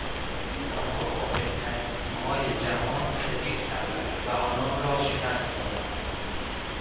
آنان با بهترین تیمهای جهان ستیز کردند و آنان را شکست دادند.